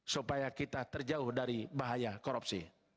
supaya kita terjauh dari bahaya korupsi